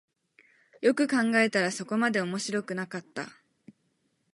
よく考えたらそこまで面白くなかった